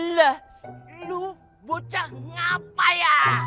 lah lu bocah ngapain